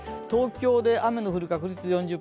東京で雨の降る確率４０％